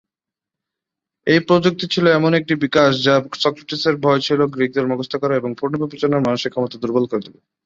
এই প্রযুক্তি ছিল এমন একটি বিকাশ যা সক্রেটিসের ভয় ছিল গ্রীকদের মুখস্থ করা এবং পুনর্বিবেচনার মানসিক ক্ষমতা দুর্বল করে দেবে।